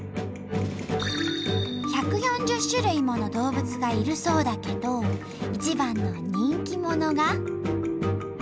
１４０種類もの動物がいるそうだけど一番の人気者が。